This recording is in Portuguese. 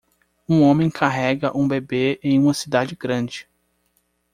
Um homem carrega um bebê em uma cidade grande.